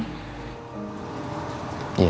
aku gak mau kamu kena masalah gara gara ini